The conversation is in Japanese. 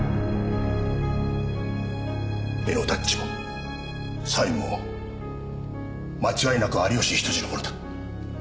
絵のタッチもサインも間違いなく有吉比登治のものだ。